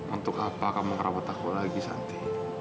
untuk apa kamu kerabat aku lagi santi